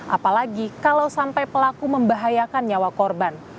apalagi kalau sampai pelaku membahayakan nyawa korban